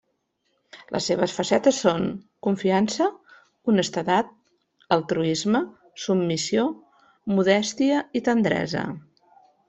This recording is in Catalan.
Les seves facetes són: confiança, honestedat, altruisme, submissió, modèstia i tendresa.